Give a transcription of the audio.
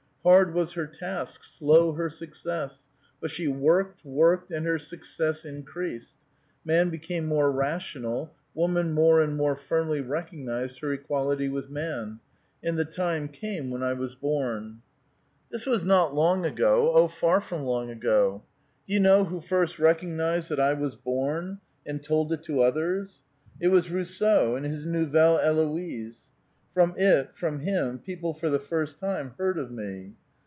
Hard was her task, slow her success, but she worked, worked, and her success increased. Man became more rational, woman more and more firmly recognized her equality with man, and the time came when I was born. " This was not long ago ; Oh, far from long ago. Do you know who first recognized that I was born., and told it to others? It was Rousseau, in his ' Nouvelle Eloise.' From it, from him, people for the first time heard of me.